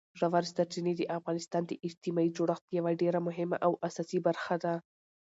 ژورې سرچینې د افغانستان د اجتماعي جوړښت یوه ډېره مهمه او اساسي برخه ده.